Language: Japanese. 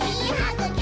ぐき！